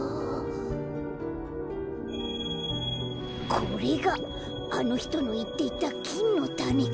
これがあのひとのいっていたきんのたねか。